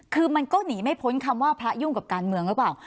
คือมันก็หนีไม่พ้นคำว่าพระยุ่งกับการเมืองหรือเปล่า